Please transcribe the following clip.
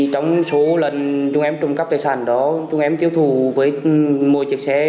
trong số lần chúng em trộm cắp tài sản đó chúng em tiêu thủ với mua chiếc xe